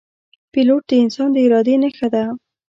پیلوټ د انسان د ارادې نښه ده.